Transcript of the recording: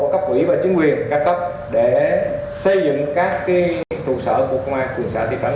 có quỹ và chính quyền ca cấp để xây dựng các cái trụ sở của công an quỳnh xã tp hcm